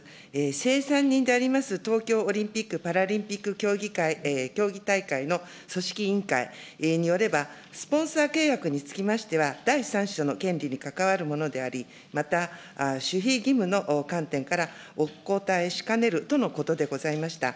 せいさんにんであります、東京オリンピック・パラリンピック協議会、競技大会の組織委員会によれば、スポンサー契約につきましては、第三者の権利に関わるものであり、また守秘義務の観点から、お答えしかねるとのことでございました。